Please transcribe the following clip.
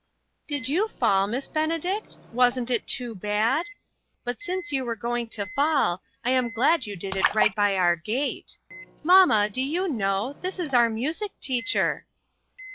"Did you fall, Miss Benedict? Wasn't it too bad? But since you were going to fall, I am glad you did it right by our gate." AN OPEN DOOR. 143 " Mamma, do you know ? This is our music teacher."